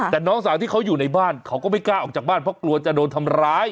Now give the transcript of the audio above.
แต่น้องสาวที่เขาอยู่ในบ้านเขาก็ไม่กล้าออกจากบ้านเพราะกลัวจะโดนทำร้าย